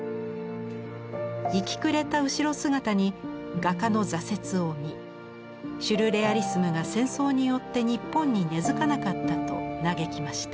行きくれた後ろ姿に画家の「挫折」を見シュルレアリスムが戦争によって日本に根づかなかったと嘆きました。